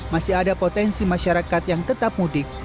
masih ada potensi masyarakat yang tetap mudik